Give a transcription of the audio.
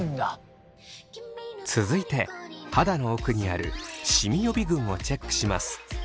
続いて肌の奥にあるシミ予備軍をチェックします。